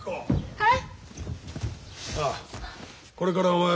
はい。